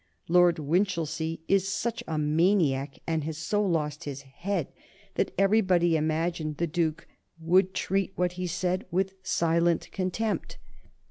"Lord Winchilsea is such a maniac, and has so lost his head, that everybody imagined the Duke would treat what he said with silent contempt."